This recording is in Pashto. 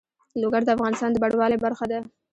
لوگر د افغانستان د بڼوالۍ برخه ده.